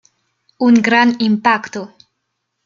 Un gran impacto.